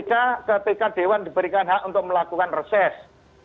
ketika dewan diberikan hak untuk melakukan reses